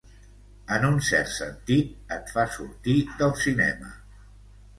En un cert sentit, et fa sortir del cinema.